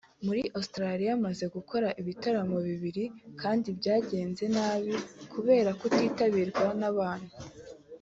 Muri Australia maze gukora ibitaramo bibiri kandi byagenze nabi kubera kutitabirwa n’abantu